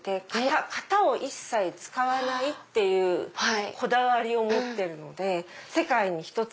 型を一切使わないっていうこだわりを持ってるので世界に１つ。